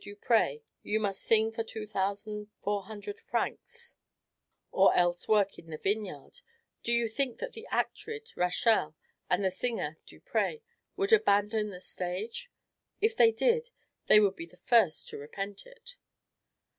Duprez, "You must sing for two thousand four hundred francs, or else work in the vineyard," do you think that the actress Rachel, and the singer Duprez, would abandon the stage? If they did, they would be the first to repent it.